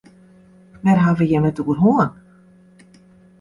Wêr ha jim it oer hân?